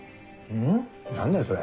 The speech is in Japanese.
何だよそれ。